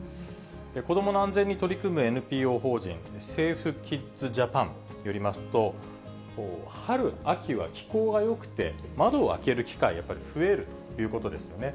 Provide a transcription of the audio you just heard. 子どもの安全に取り組むＮＰＯ法人ＳａｆｅＫｉｄｓＪａｐａｎによりますと、春、秋は気候がよくて、窓を開ける機会、やっぱり増えるということですよね。